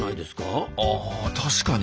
あ確かに。